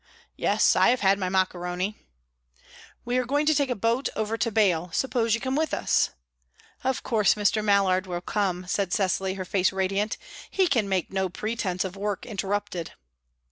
"Yes, I have had my maccheroni." "We are going to take a boat over to Baiae. Suppose you come with us." "Of course Mr. Mallard will come," said Cecily, her face radiant. "He can make no pretence of work interrupted."